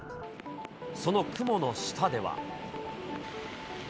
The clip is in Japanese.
その雲の下では。